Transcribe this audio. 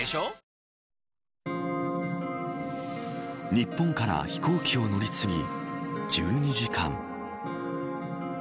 日本から飛行機を乗り継ぎ１２時間。